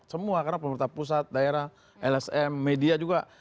semua karena pemerintah pusat daerah lsm media juga